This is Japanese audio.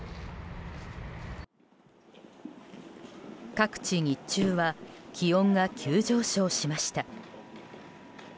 各地、日中は気温が急上昇しました。